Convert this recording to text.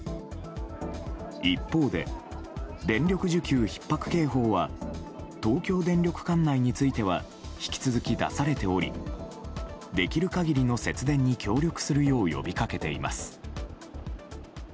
一方で、電力需給ひっ迫警報は東京電力管内については引き続き出されておりできる限りの節電に協力するよう呼びかけています。